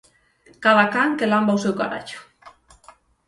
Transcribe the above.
Cada can que lamba o seu carallo